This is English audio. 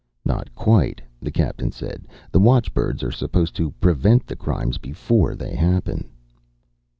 "Not quite," the captain said. "The watchbirds are supposed to prevent the crimes before they happen."